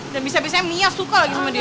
dan bisa bisanya mia suka lagi sama dia